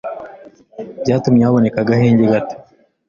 byatumye haboneka agahenge gato